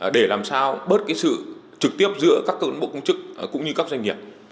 để làm sao bớt sự trực tiếp giữa các cơ quan bộ công chức cũng như các doanh nghiệp